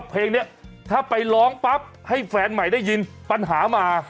เพลงนี้ถ้าไปร้องปั๊บให้แฟนใหม่ได้ยินปัญหามา